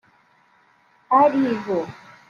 ari bo